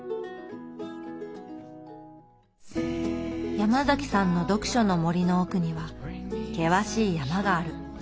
ヤマザキさんの読書の森の奥には険しい山がある。